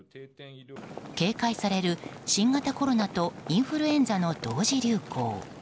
警戒される新型コロナとインフルエンザの同時流行。